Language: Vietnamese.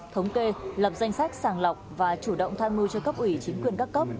thống kê lập danh sách sàng lọc và chủ động tham mưu cho cấp ủy chính quyền các cấp